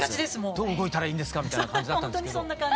どう動いたらいいんですかみたいな感じだったんですけど。